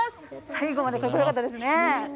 最後までかっこよかったですね。